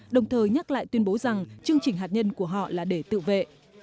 đồng thời nhắc lại tuyên bố rằng chương trình hạt nhân của họ là để tự vệ